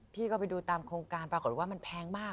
พี่ก็ไปดูตามโครงการปรากฏว่ามันแพงมาก